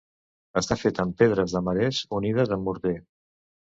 Està fet amb pedres de marès unides amb morter.